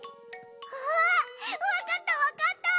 あっわかったわかった！